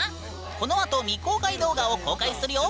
このあと未公開動画を公開するよ！